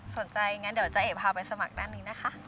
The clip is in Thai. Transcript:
สนใจงั้นเดี๋ยวจ้าเอกพาไปสมัครด้านนี้นะคะ